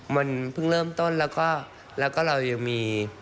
มันเพิ่งเริ่มต้นแล้วก็เรายังมี